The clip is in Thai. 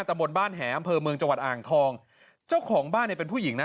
ตะบนบ้านแหอำเภอเมืองจังหวัดอ่างทองเจ้าของบ้านเนี่ยเป็นผู้หญิงนะ